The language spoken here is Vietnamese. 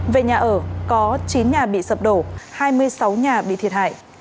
về nhà ở có chín nhà bị sập đổ hai mươi sáu nhà bị thiệt hại